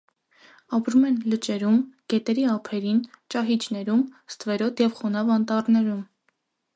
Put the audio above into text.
Ապրում են լճերում, գետերի ափերին, ճահիճներում, ստվերոտ և խոնավ անտառներում։